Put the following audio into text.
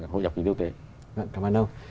hội nhập kinh tế cảm ơn ông